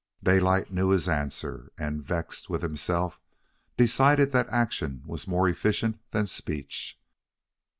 Daylight knew his answer, and, vexed with himself decided that action was more efficient than speech.